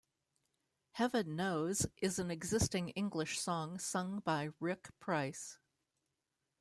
Heaven Knows is an existing English song sung by Rick Price.